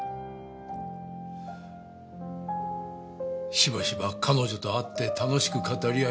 しばしば彼女と会って楽しく語り合い